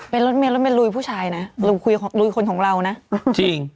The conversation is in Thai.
เป็นรถเมยรถเมลุยผู้ชายนะลุยคนของเรานะจริง